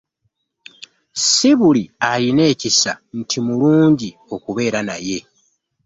Si buli ayina ekisa nti mulungi wakubeera naye.